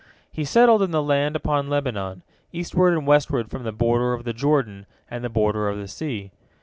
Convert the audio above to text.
He settled in the land upon Lebanon, eastward and westward from the border of the Jordan and the border of the sea.